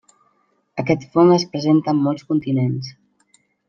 Aquest fong es presenta en molts continents.